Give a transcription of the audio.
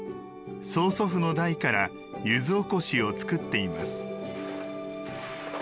曽祖父の代から柚子おこしを作っています。